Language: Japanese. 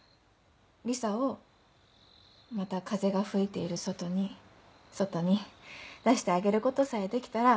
リサをまた風が吹いている外に外に出してあげることさえできたら。